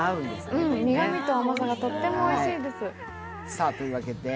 苦みと甘さがとってもおいしいです。